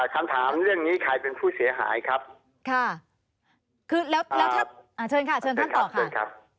คำถามเรื่องนี้ข่ายเป็นผู้เสียหายค่ะค่ะ